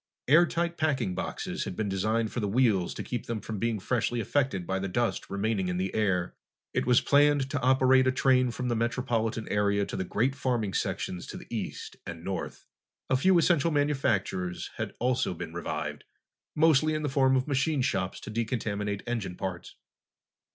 Airtight packing boxes had been designed for the wheels to keep them from being freshly affected by the dust remaining in the air. It was planned to operate a train from the metropolitan area to the great farming sections to the east and north. A few essential manufactures had also been revived, mostly in the form of machine shops to decontaminate engine parts.